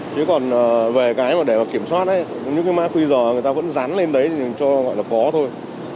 chứ còn về cái để kiểm soát những cái mã qr người ta vẫn dán lên đấy cho gọi là có thôi